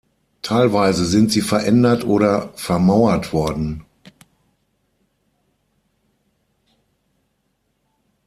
Teilweise sind sie verändert oder vermauert worden.